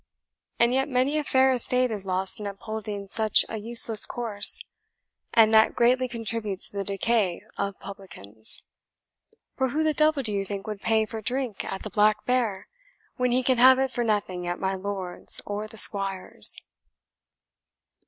And yet many a fair estate is lost in upholding such a useless course, and that greatly contributes to the decay of publicans; for who the devil do you think would pay for drink at the Black Bear, when he can have it for nothing at my Lord's or the Squire's?"